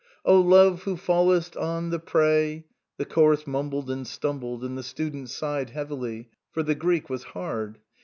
"Oh Love who fallest on the prey." The chorus mumbled and stumbled, and the student sighed heavily, for the Greek was hard.